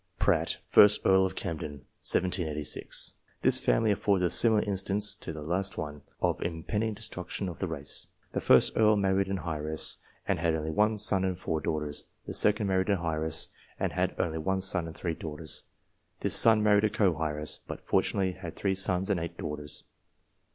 Pratt, 1st Earl of Camden (1786). This family affords a similar instance to the last one, of impending destruction to the race. The 1st Earl married an heiress, and had only one son and four daughters. The son married an heiress, and had only one son and three daughters. The son married a co heiress, but fortunately had three sons and eight daughters.